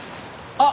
あっ！